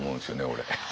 俺。